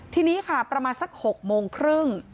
ทีนี้ค่ะประมาณสัก๖โมงครึ่ง